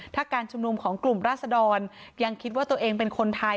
ถ้าการชุมนุมของกลุ่มราศดรยังคิดว่าตัวเองเป็นคนไทย